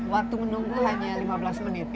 waktu menunggu hanya lima belas menit